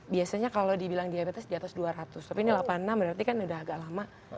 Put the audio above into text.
biasanya kalau dibilang diabetes di atas dua ratus tapi ini delapan puluh enam berarti kan udah agak lama